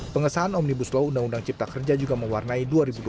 pengesahan omnibus law undang undang cipta kerja juga mewarnai dua ribu dua puluh